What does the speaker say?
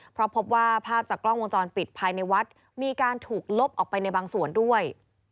เพราะพบว่าภาพจากกล้องวงจรปิดภายในวัดมีการถูกลบออกไปในบางส่วนด้วย